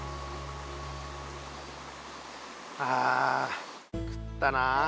ああ食ったなあ。